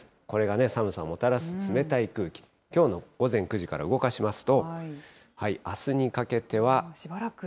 これが寒さをもたらす冷たい空気、きょうの午前９時から動かしますと、あすにかけては。